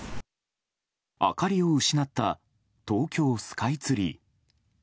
明かりを失った東京スカイツリー。